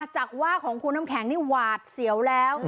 มาจากว่าของครูน้ำแข็งวาดเสียวแล้ว